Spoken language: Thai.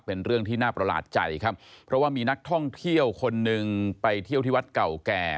เป็นเรื่องที่น่าประหลาดใจครับเพราะว่ามีนักท่องเที่ยวคนหนึ่งไปเที่ยวที่วัดเก่าแก่